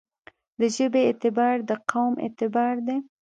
د ژبې اعتبار دقوم اعتبار دی.